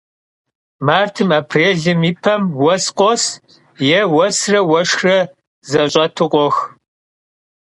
Martım, aprêlım yi pem vues khos yê vuesre vueşşxre zeş'etu khox.